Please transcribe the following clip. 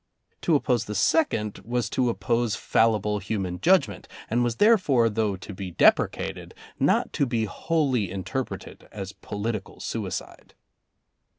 To oppose the second was to oppose fallible human judgment, and was therefore, though to be deprecated, not to be wholly inter preted as political suicide.